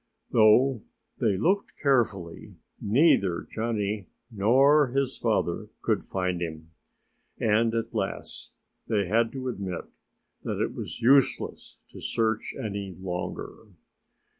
Though they looked carefully, neither Johnnie nor his father could find him. And at last they had to admit that it was useless to search any longer.